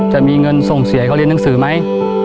จะมีเงินส่งเสียเขาเรียนหนังสือไหม